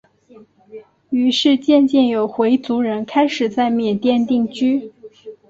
于是渐渐有回族人开始在缅甸定居。